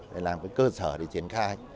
để làm cái cơ sở để triển khai